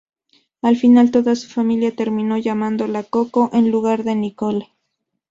Al final toda su familia terminó llamándola Coco, en lugar de Nicole.